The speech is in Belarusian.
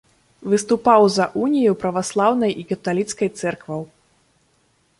Выступаў за унію праваслаўнай і каталіцкай цэркваў.